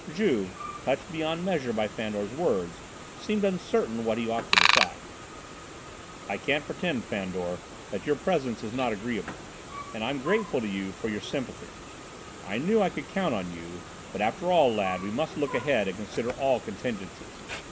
Juve, touched beyond measure by Fandor's words, seemed uncertain what he ought to decide. "I can't pretend, Fandor, that your presence is not agreeable, and I'm grateful to you for your sympathy; I knew I could count on you: but after all, lad, we must look ahead and consider all contingencies.